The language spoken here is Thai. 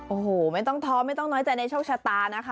โอ้โหไม่ต้องท้อไม่ต้องน้อยใจในโชคชะตานะคะ